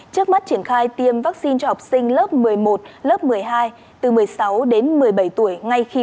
trước mắt triển khai tiêm vaccine cho học sinh lớp một mươi một lớp một mươi hai từ một mươi sáu đến một mươi bảy tuổi ngay khi